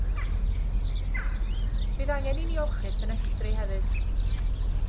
Bydd angen i ni olchi'r ffenestri hefyd.